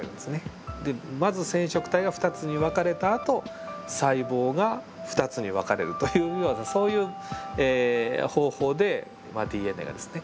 でまず染色体が２つに分かれたあと細胞が２つに分かれるというそういう方法でＤＮＡがですね